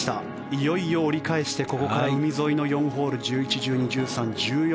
いよいよ折り返してここから海沿いの４ホール１１、１２、１３、１４。